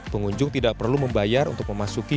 pengunjung tidak perlu membayar untuk memasuki